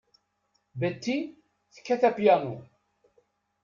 Betty tekkat apyanu.